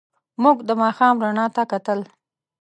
موږ د ماښام رڼا ته کتل.